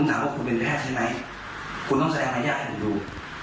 ถามว่าคุณเป็นแพทย์ใช่ไหมคุณต้องแสดงให้ญาติผมดู